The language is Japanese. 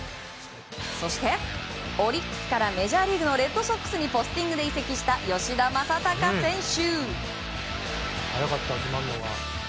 そして、オリックスからメジャーリーグのレッドソックスにポスティングで移籍した吉田正尚選手。